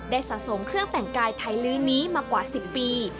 สะสมเครื่องแต่งกายไทยลื้อนี้มากว่า๑๐ปี